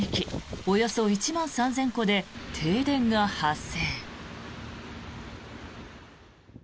およそ１万３０００戸で停電が発生。